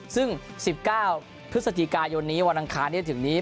ซึ่ง๑๙พฤษฎิกายนวันอังคารนี้ถึงนี้